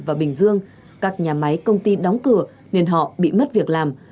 và bình dương các nhà máy công ty đóng cửa nên họ bị mất việc làm